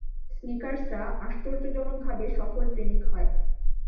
স্নিকার্সরা আশ্চর্যজনকভাবে সফল প্রেমিক হয়।